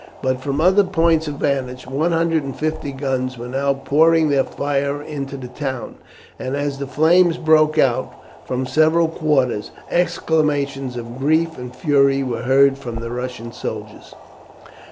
But from other points of vantage 150 guns were now pouring their fire into the town, and, as the flames broke out from several quarters, exclamations of grief and fury were heard from the Russian soldiers.